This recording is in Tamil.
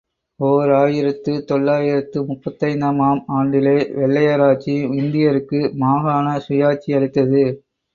ஓர் ஆயிரத்து தொள்ளாயிரத்து முப்பத்தைந்து ஆம் ஆண்டிலே வெள்ளையராட்சி இந்தியருக்கு மாகாண சுயாட்சி அளித்தது.